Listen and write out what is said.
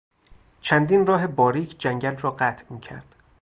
چندین راه باریک جنگل را قطع میکرد.